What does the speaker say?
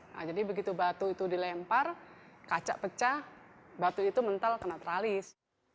nah jadi begitu batu itu dilempar kaca pecah batu itu mental kena tralis